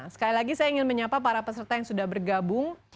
sekali lagi saya ingin menyapa para peserta yang sudah bergabung